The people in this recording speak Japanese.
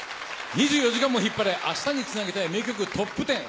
２４時間もヒッパレ明日につなげたい名曲トップ１０。